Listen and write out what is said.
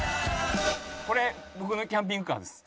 これ僕のキャンピングカーです。